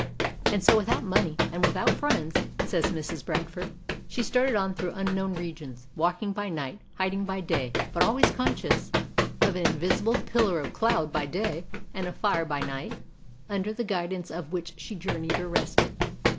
"And so without money, and without friends," says Mrs. Bradford, "she started on through unknown regions; walking by night, hiding by day, but always conscious 32 WOMEN OF ACHIEVEMENT of an invisible pillar of cloud by day, and of fire by night, under the guidance of which she journeyed or rested.